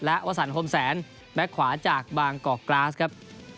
และวสันโฮมแสนแบ็คขวาจากบางกอกกราสครับ